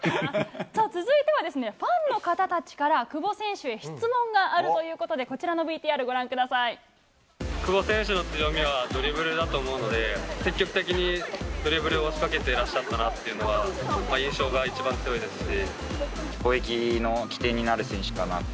さあ、続いては、ファンの方たちから、久保選手へ質問があるということで、こちらのＶＴＲ、久保選手の強みは、ドリブルだと思うので、積極的にドリブルを仕掛けていらっしゃったなったいうのは、攻撃の起点になる選手かなって。